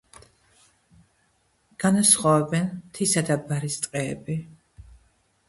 განსხვავებენ მთისა და ბარის ტყეები.